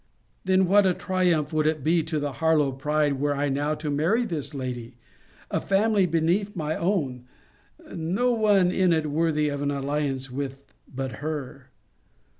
Then, what a triumph would it be to the Harlowe pride, were I now to marry this lady? A family beneath my own! No one in it worthy of an alliance with but her!